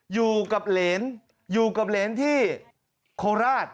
อยู่กับเหรนอยู่กับเหรนที่โคราช